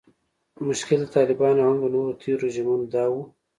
مشکل د طالبانو او هم د نورو تیرو رژیمونو دا و